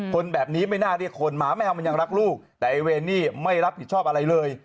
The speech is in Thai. คนแบบนี้ไม่น่าเรียกคนหมาแมวมันยังรักลูกแต่ไอ้เรนนี่ไม่รับผิดชอบอะไรเลย